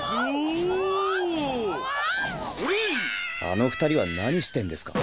あの二人は何してんですか？